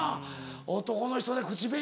男の人で口紅。